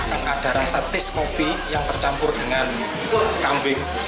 ada rasa tes kopi yang tercampur dengan kambing